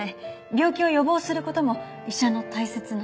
病気を予防する事も医者の大切な仕事。